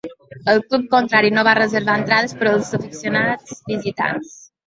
El club contrari no va reservar entrades per al afeccionats visitants.